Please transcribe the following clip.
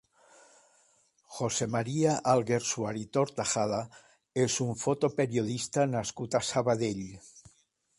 José María Alguersuari Tortajada és un fotoperiodista nascut a Sabadell.